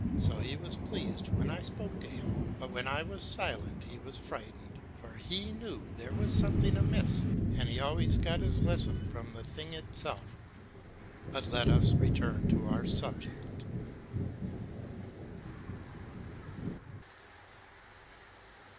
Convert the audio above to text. So he was pleased when I spoke to him, but when I was silent he was frightened, for he knew there was something amiss, and he always got his lesson from the thing itself. But let us return to our subject.